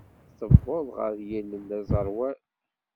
Tewweḍ ɣer yilel aẓerwal.